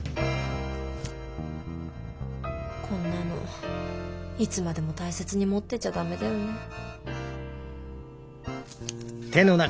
こんなのいつまでも大切に持ってちゃダメだよね。